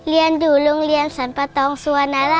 เรียนอยู่โรงเรียนสรรพตองสวนราชวิทยาคารค่ะ